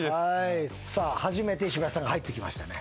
さあ初めて石橋さんが入ってきましたね。